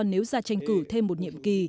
nếu ra tranh cử thêm một nhiệm kỳ